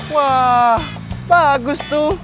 wah bagus tuh